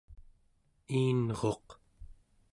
iinruq